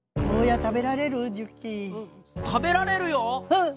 うん。